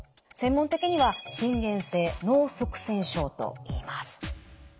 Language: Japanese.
専門的には心原性脳塞栓症といいます。